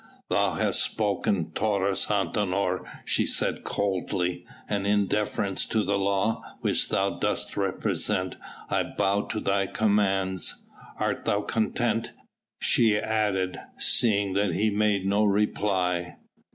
"Thou hast spoken, Taurus Antinor," she said coldly, "and in deference to the law which thou dost represent I bow to thy commands. Art thou content?" she added, seeing that he made no reply.